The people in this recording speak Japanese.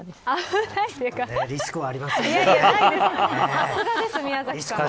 さすがです宮崎さん。